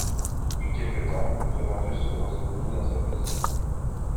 Depuis quelque temps, le prétendu se brosse beaucoup dans cette maison !…